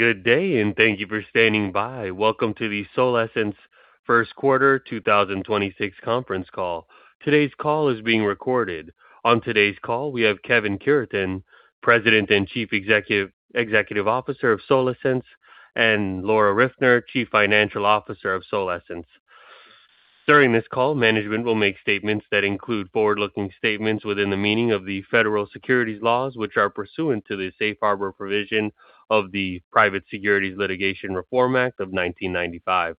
Good day, and thank you for standing by. Welcome to the Solesence first quarter 2026 conference call. Today's call is being recorded. On today's call, we have Kevin Cureton, President and Chief Executive Officer of Solesence, and Laura Riffner, Chief Financial Officer of Solesence. During this call, management will make statements that include forward-looking statements within the meaning of the federal securities laws, which are pursuant to the safe harbor provision of the Private Securities Litigation Reform Act of 1995.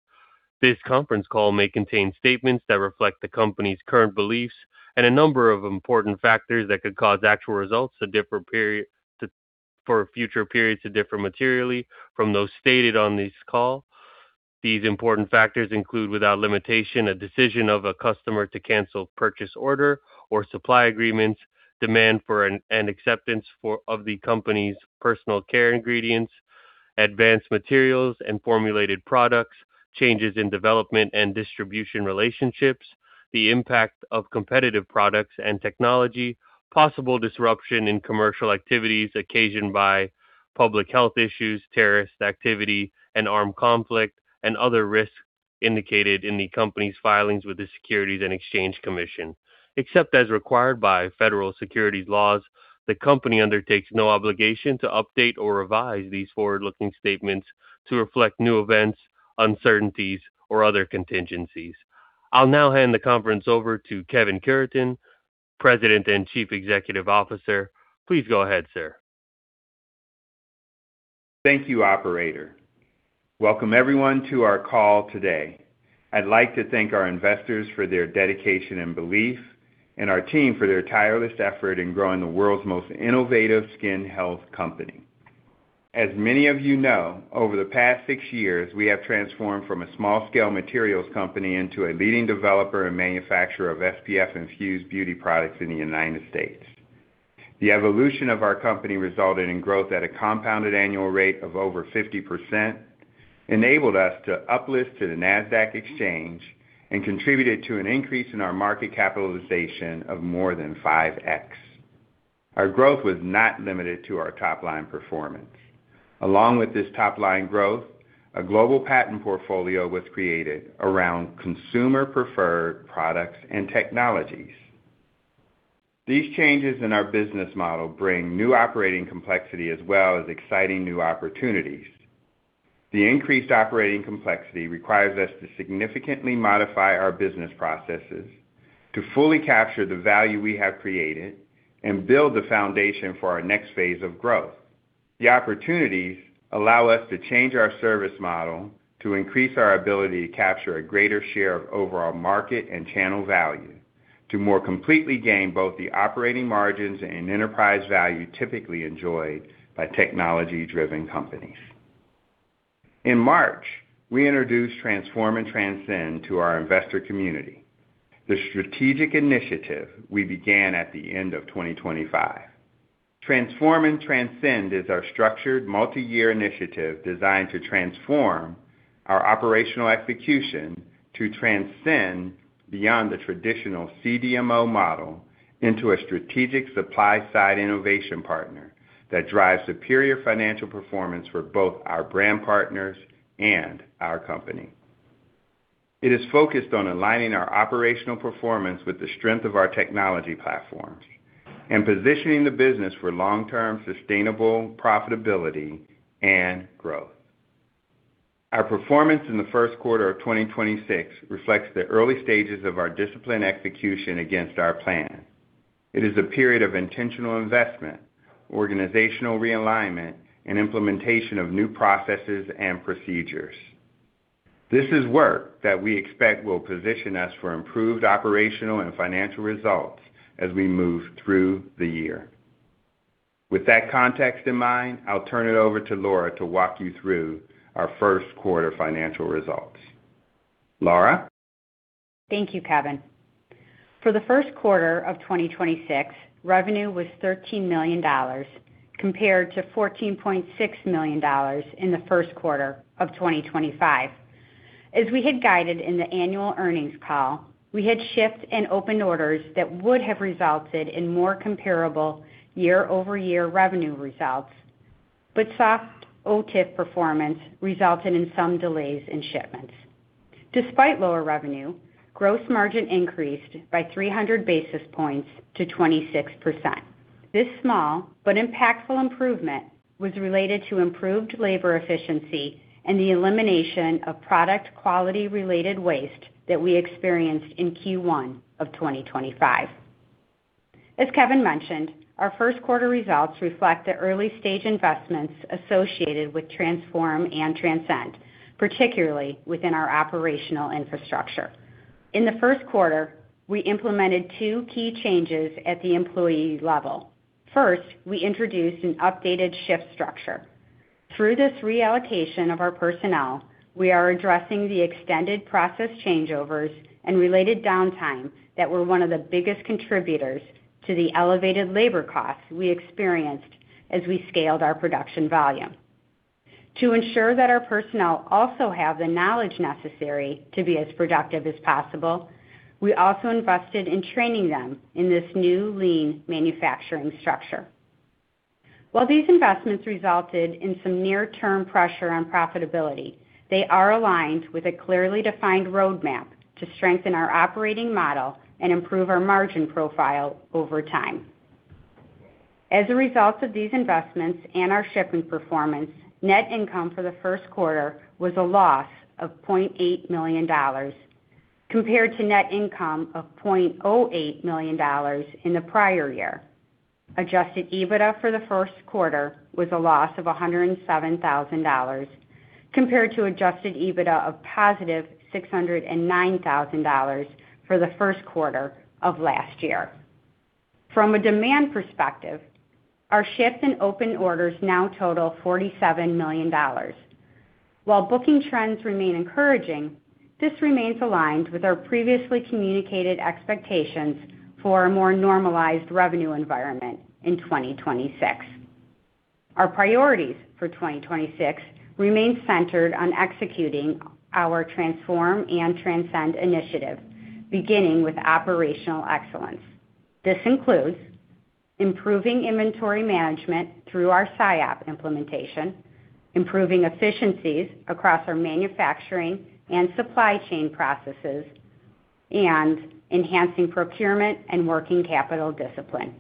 This conference call may contain statements that reflect the company's current beliefs and a number of important factors that could cause actual results to differ for future periods to differ materially from those stated on this call. These important factors include, without limitation, a decision of a customer to cancel purchase order or supply agreements, demand for and acceptance of the company's personal care ingredients, advanced materials and formulated products, changes in development and distribution relationships, the impact of competitive products and technology, possible disruption in commercial activities occasioned by public health issues, terrorist activity and armed conflict, and other risks indicated in the company's filings with the Securities and Exchange Commission. Except as required by Federal Securities laws, the company undertakes no obligation to update or revise these forward-looking statements to reflect new events, uncertainties, or other contingencies. I'll now hand the conference over to Kevin Cureton, President and Chief Executive Officer. Please go ahead, sir. Thank you, operator. Welcome, everyone, to our call today. I'd like to thank our investors for their dedication and belief and our team for their tireless effort in growing the world's most innovative skin health company. As many of you know, over the past six years, we have transformed from a small-scale materials company into a leading developer and manufacturer of SPF-infused beauty products in the United States. The evolution of our company resulted in growth at a compounded annual rate of over 50%, enabled us to uplist to the Nasdaq exchange, and contributed to an increase in our market capitalization of more than 5x. Our growth was not limited to our top-line performance. Along with this top-line growth, a global patent portfolio was created around consumer-preferred products and technologies. These changes in our business model bring new operating complexity as well as exciting new opportunities. The increased operating complexity requires us to significantly modify our business processes to fully capture the value we have created and build the foundation for our next phase of growth. The opportunities allow us to change our service model to increase our ability to capture a greater share of overall market and channel value to more completely gain both the operating margins and enterprise value typically enjoyed by technology-driven companies. In March, we introduced Transform & Transcend to our investor community, the strategic initiative we began at the end of 2025. Transform & Transcend is our structured multi-year initiative designed to transform our operational execution to transcend beyond the traditional CDMO model into a strategic supply-side innovation partner that drives superior financial performance for both our brand partners and our company. It is focused on aligning our operational performance with the strength of our technology platforms and positioning the business for long-term sustainable profitability and growth. Our performance in the first quarter of 2026 reflects the early stages of our disciplined execution against our plan. It is a period of intentional investment, organizational realignment, and implementation of new processes and procedures. This is work that we expect will position us for improved operational and financial results as we move through the year. With that context in mind, I'll turn it over to Laura to walk you through our first quarter financial results. Laura? Thank you, Kevin. For the first quarter of 2026, revenue was $13 million compared to $14.6 million in the first quarter of 2025. As we had guided in the annual earnings call, we had shifts in open orders that would have resulted in more comparable year-over-year revenue results, but soft OTIF performance resulted in some delays in shipments. Despite lower revenue, gross margin increased by 300 basis points to 26%. This small but impactful improvement was related to improved labor efficiency and the elimination of product quality-related waste that we experienced in Q1 of 2025. As Kevin mentioned, our first quarter results reflect the early-stage investments associated with Transform & Transcend, particularly within our operational infrastructure. In the first quarter, we implemented two key changes at the employee level. First, we introduced an updated shift structure. Through this reallocation of our personnel, we are addressing the extended process changeovers and related downtime that were one of the biggest contributors to the elevated labor costs we experienced as we scaled our production volume. To ensure that our personnel also have the knowledge necessary to be as productive as possible, we also invested in training them in this new lean manufacturing structure. While these investments resulted in some near-term pressure on profitability, they are aligned with a clearly defined roadmap to strengthen our operating model and improve our margin profile over time. As a result of these investments and our shipping performance, net income for the first quarter was a loss of $0.8 million compared to net income of $0.08 million in the prior year. Adjusted EBITDA for the first quarter was a loss of $107,000 compared to adjusted EBITDA of positive $609,000 for the first quarter of last year. From a demand perspective, our ships and open orders now total $47 million. While booking trends remain encouraging, this remains aligned with our previously communicated expectations for a more normalized revenue environment in 2026. Our priorities for 2026 remain centered on executing our Transform & Transcend initiative, beginning with operational excellence. This includes improving inventory management through our SIOP implementation, improving efficiencies across our manufacturing and supply chain processes, and enhancing procurement and working capital discipline.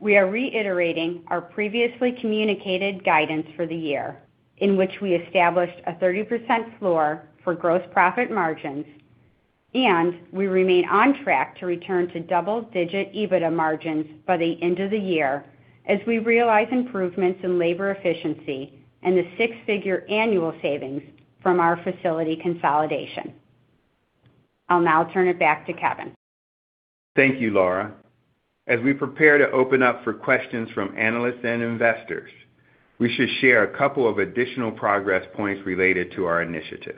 We are reiterating our previously communicated guidance for the year in which we established a 30% floor for gross profit margins. We remain on track to return to double-digit EBITDA margins by the end of the year as we realize improvements in labor efficiency and the six-figure annual savings from our facility consolidation. I'll now turn it back to Kevin. Thank you, Laura. As we prepare to open up for questions from analysts and investors, we should share a couple of additional progress points related to our initiative.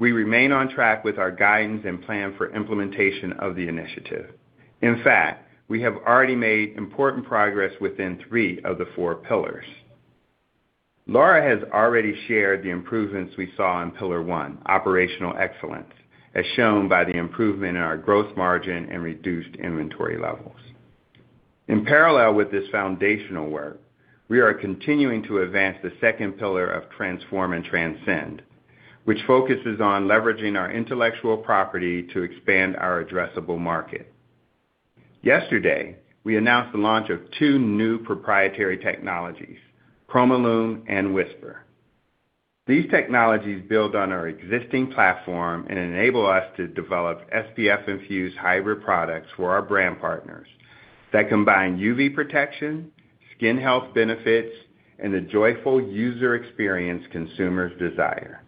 We remain on track with our guidance and plan for implementation of the initiative. We have already made important progress within three of the four pillars. Laura has already shared the improvements we saw in pillar one, operational excellence, as shown by the improvement in our gross margin and reduced inventory levels. In parallel with this foundational work, we are continuing to advance the second pillar of Transform & Transcend, which focuses on leveraging our intellectual property to expand our addressable market. Yesterday, we announced the launch of two new proprietary technologies, Chromalüm and WHSPR. These technologies build on our existing platform and enable us to develop SPF-infused hybrid products for our brand partners that combine UV protection, skin health benefits, and the joyful user experience consumers desire.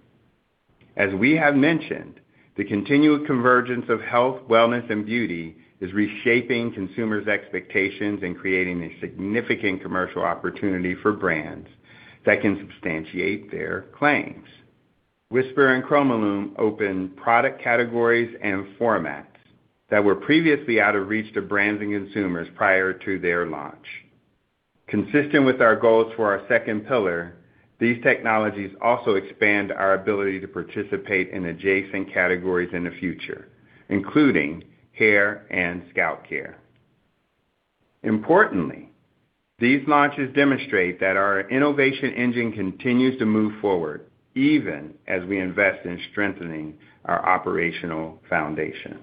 As we have mentioned, the continued convergence of health, wellness, and beauty is reshaping consumers' expectations and creating a significant commercial opportunity for brands that can substantiate their claims. WHSPR and Chromalüm open product categories and formats that were previously out of reach to brands and consumers prior to their launch. Consistent with our goals for our second pillar, these technologies also expand our ability to participate in adjacent categories in the future, including hair and scalp care. Importantly, these launches demonstrate that our innovation engine continues to move forward even as we invest in strengthening our operational foundation.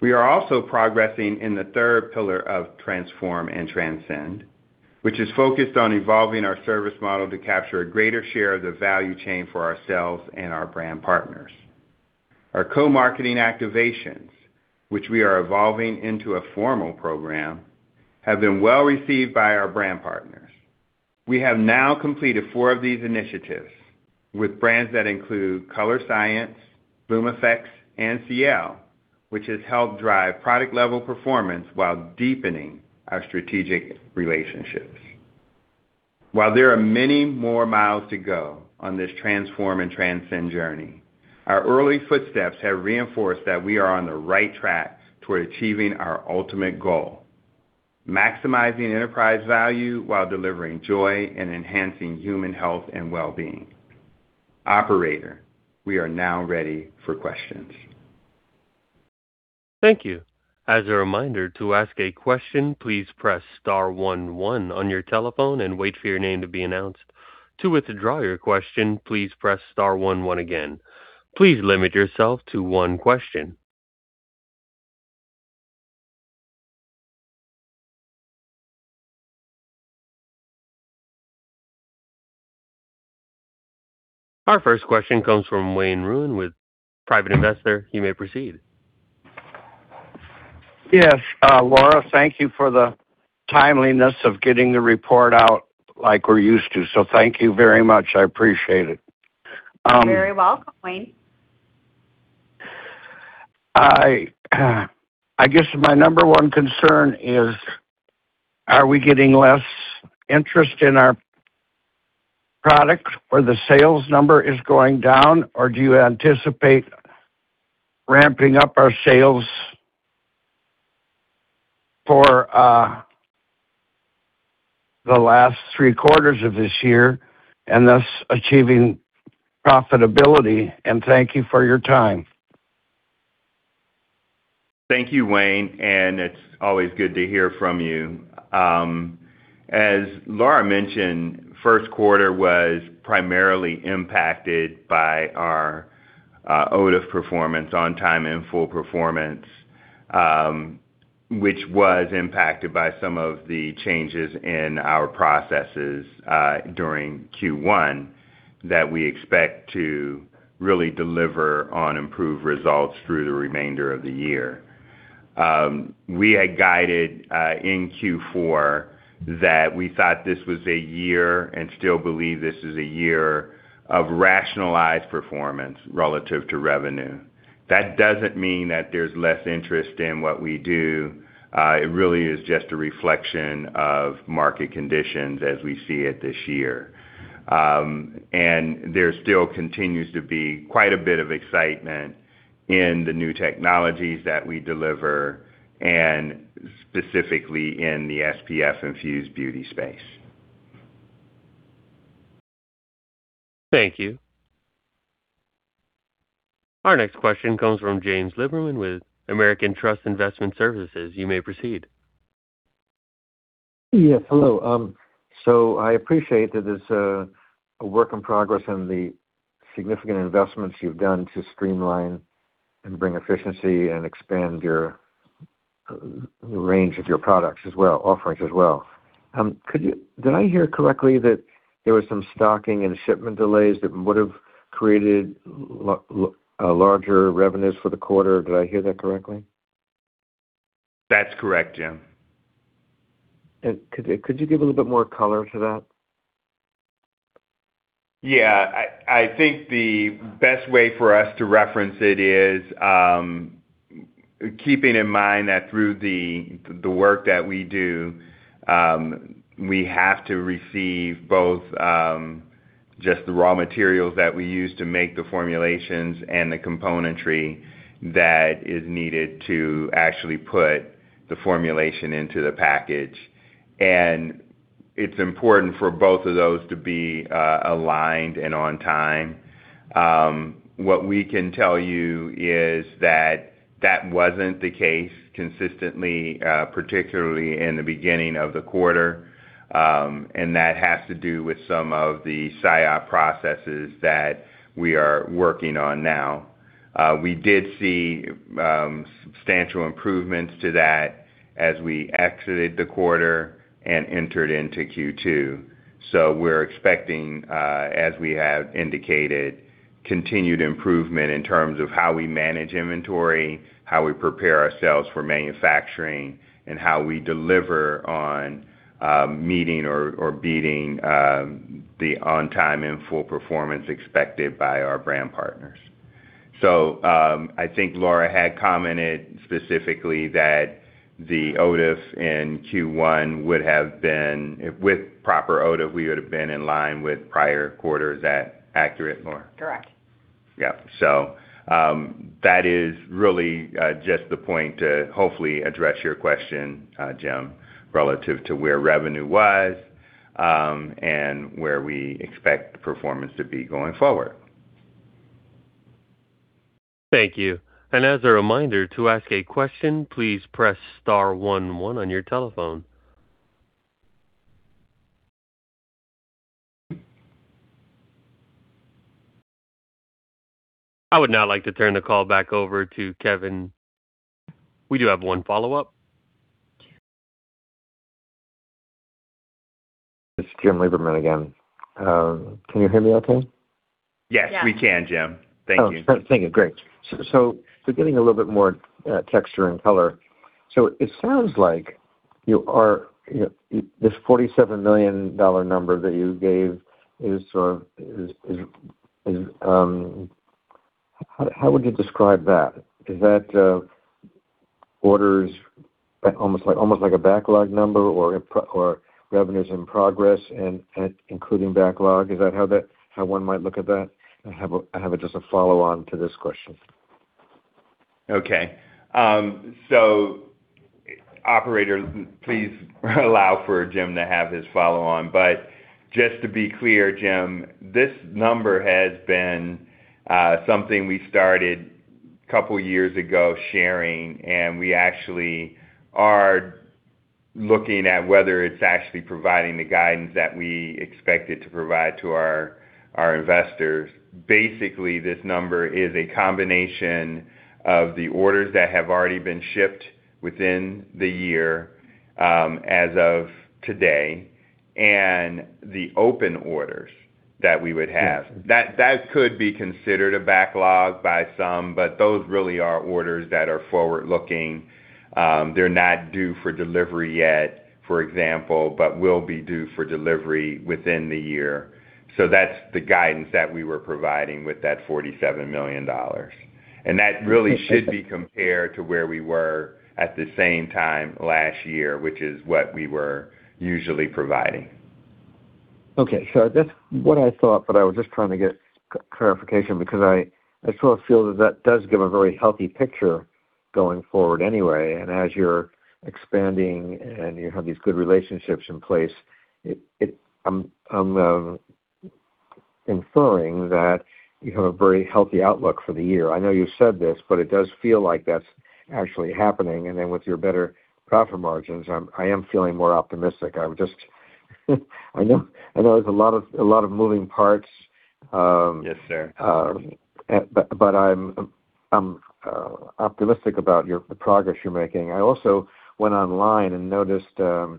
We are also progressing in the third pillar of Transform & Transcend, which is focused on evolving our service model to capture a greater share of the value chain for ourselves and our brand partners. Our co-marketing activations, which we are evolving into a formal program, have been well received by our brand partners. We have now completed four of these initiatives with brands that include Colorescience, Bloomeffects, and Ciele, which has helped drive product-level performance while deepening our strategic relationships. While there are many more miles to go on this Transform & Transcend journey, our early footsteps have reinforced that we are on the right track toward achieving our ultimate goal, maximizing enterprise value while delivering joy and enhancing human health and well-being. Operator, we are now ready for questions. Thank you. As a reminder, to ask a question, please press star one one on your telephone and wait for your name to be announced. To withdraw your question, please press star one one again. Please limit yourself to one question. Our first question comes from Wayne Ruhn with Private Investor. You may proceed. Yes, Laura, thank you for the timeliness of getting the report out like we're used to, so thank you very much. I appreciate it. You're very welcome, Wayne. I guess my number one concern is, are we getting less interest in our products or the sales number is going down, or do you anticipate ramping up our sales for the last three quarters of this year, and thus achieving profitability? Thank you for your time. Thank you, Wayne, and it's always good to hear from you. As Laura mentioned, first quarter was primarily impacted by our OTIF performance, On-Time In-Full performance, which was impacted by some of the changes in our processes during Q1 that we expect to really deliver on improved results through the remainder of the year. We had guided in Q4 that we thought this was a year. Still believe this is a year of rationalized performance relative to revenue. That doesn't mean that there's less interest in what we do. It really is just a reflection of market conditions as we see it this year. There still continues to be quite a bit of excitement in the new technologies that we deliver and specifically in the SPF-infused beauty space. Thank you. Our next question comes from James Liberman with American Trust Investment Services. You may proceed. Yes, hello. I appreciate that it's a work in progress and the significant investments you've done to streamline and bring efficiency and expand your range of your products as well, offerings as well. Did I hear correctly that there was some stocking and shipment delays that would've created larger revenues for the quarter? Did I hear that correctly? That's correct, Jim. Could you give a little bit more color to that? Yeah. I think the best way for us to reference it is, keeping in mind that through the work that we do, we have to receive both, just the raw materials that we use to make the formulations and the componentry that is needed to actually put the formulation into the package. It's important for both of those to be aligned and on time. What we can tell you is that that wasn't the case consistently, particularly in the beginning of the quarter. That has to do with some of the SIOP processes that we are working on now. We did see substantial improvements to that as we exited the quarter and entered into Q2. We're expecting, as we have indicated, continued improvement in terms of how we manage inventory, how we prepare ourselves for manufacturing, and how we deliver on meeting or beating the On-Time In-Full performance expected by our brand partners. I think Laura had commented specifically that With proper OTIF, we would have been in line with prior quarters. Is that accurate, Laura? Correct. Yeah. That is really, just the point to hopefully address your question, Jim, relative to where revenue was, and where we expect performance to be going forward. Thank you. As a reminder, to ask a question, please press star one one on your telephone. I would now like to turn the call back over to Kevin. We do have one follow-up. This is James Liberman again. Can you hear me okay? Yes. Yeah. We can, Jim. Thank you. Oh, thank you. Great. Getting a little bit more texture and color. It sounds like you are, you know, this $47 million number that you gave is sort of, How would you describe that? Is that orders almost like a backlog number or revenues in progress and including backlog? Is that how that one might look at that? I have a just a follow-on to this question. Okay. Operator, please allow for Jim to have his follow on. Just to be clear, Jim, this number has been something we started couple years ago sharing, and we actually are looking at whether it's actually providing the guidance that we expect it to provide to our investors. Basically, this number is a combination of the orders that have already been shipped within the year, as of today, and the open orders that we would have. That could be considered a backlog by some, but those really are orders that are forward-looking. They're not due for delivery yet, for example, but will be due for delivery within the year. That's the guidance that we were providing with that $47 million. That really should be compared to where we were at the same time last year, which is what we were usually providing. Okay. That's what I thought, but I was just trying to get clarification because I sort of feel that that does give a very healthy picture going forward anyway. As you're expanding and you have these good relationships in place, it I'm inferring that you have a very healthy outlook for the year. I know you've said this, but it does feel like that's actually happening. With your better profit margins, I am feeling more optimistic. I'm just I know there's a lot of moving parts. Yes, sir. I'm optimistic about the progress you're making. I also went online and noticed a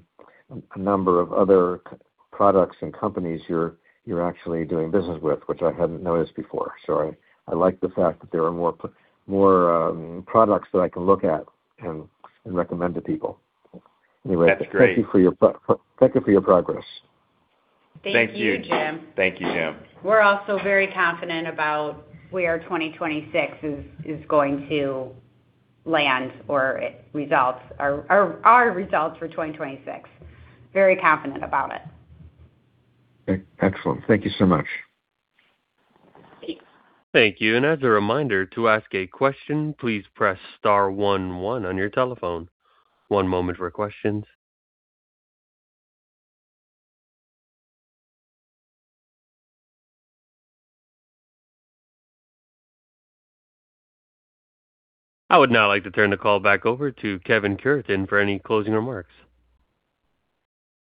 number of other products and companies you're actually doing business with, which I hadn't noticed before. I like the fact that there are more products that I can look at and recommend to people. That's great. Thank you for your progress. Thank you. Thank you, Jim. Thank you, Jim. We're also very confident about where 2026 is going to land or it results our results for 2026. Very confident about it. Excellent. Thank you so much. Thanks. Thank you. As a reminder, to ask a question, please press star one one on your telephone. One moment for questions. I would now like to turn the call back over to Kevin Cureton for any closing remarks.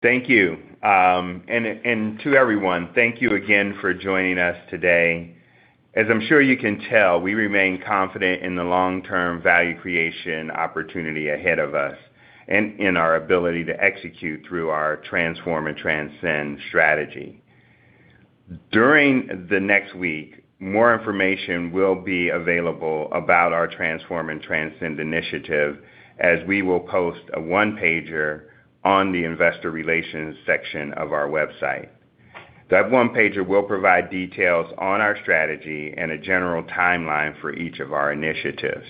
Thank you. To everyone, thank you again for joining us today. As I'm sure you can tell, we remain confident in the long-term value creation opportunity ahead of us and in our ability to execute through our Transform & Transcend strategy. During the next week, more information will be available about our Transform & Transcend initiative as we will post a one-pager on the investor relations section of our website. That one-pager will provide details on our strategy and a general timeline for each of our initiatives.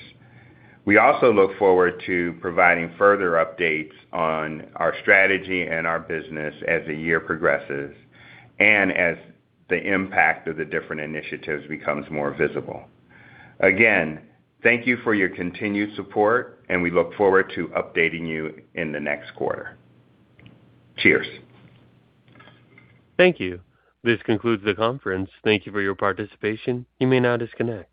We also look forward to providing further updates on our strategy and our business as the year progresses and as the impact of the different initiatives becomes more visible. Again, thank you for your continued support. We look forward to updating you in the next quarter. Cheers. Thank you. This concludes the conference. Thank you for your participation. You may now disconnect.